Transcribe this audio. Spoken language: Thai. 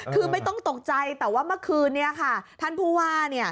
คือไม่ต้องตกใจแต่ว่าเมื่อคืนนี้ค่ะท่านผู้ว่า